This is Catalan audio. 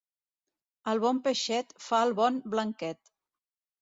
El bon peixet fa el bon blanquet.